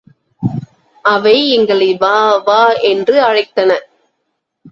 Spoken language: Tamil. அவை எங்களை வா, வா என்று அழைத்தன.